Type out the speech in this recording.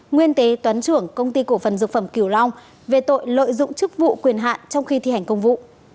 nguyên phó tổng giám đốc công ty cổ phần dược phẩm kiều long về tội lợi dụng chức vụ quyền hạn trong khi thi hành công vụ